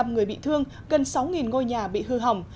hai mươi năm người bị thương gần sáu ngôi nhà bị hư hỏng